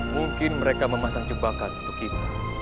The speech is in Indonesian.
mungkin mereka memasang jebakan untuk kita